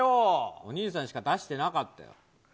お兄さんしか出してなかったよ。